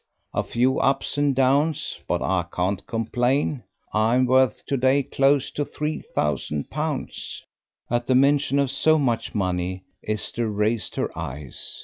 A few ups and downs, but I can't complain. I am worth to day close on three thousand pounds." At the mention of so much money Esther raised her eyes.